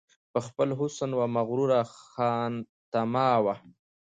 په خپل حسن وه مغروره خانتما وه